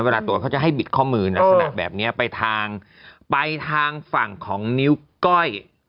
ตัวเขาจะให้บิดข้อมือลักษณะแบบนี้ไปทางไปทางฝั่งของนิ้วก้อย